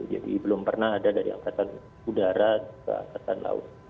jadi belum pernah ada dari angkatan udara ke angkatan laut